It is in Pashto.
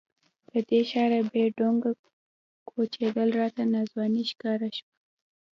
له دې ښاره بې ډونګه کوچېدل راته ناځواني ښکاره شوه.